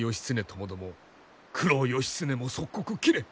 ともども九郎義経も即刻斬れ！